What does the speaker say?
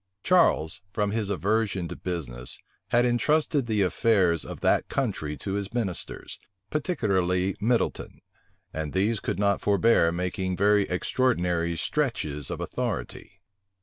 Charles, from his aversion to business, had intrusted the affairs of that country to his ministers, particularly Middleton; and these could not forbear making very extraordinary stretches of authority.